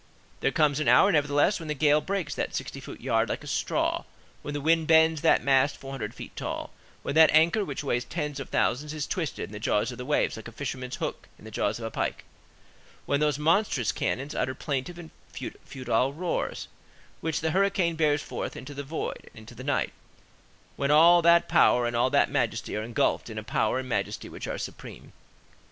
There comes an hour, nevertheless, when the gale breaks that sixty foot yard like a straw, when the wind bends that mast four hundred feet tall, when that anchor, which weighs tens of thousands, is twisted in the jaws of the waves like a fisherman's hook in the jaws of a pike, when those monstrous cannons utter plaintive and futile roars, which the hurricane bears forth into the void and into night, when all that power and all that majesty are engulfed in a power and majesty which are superior.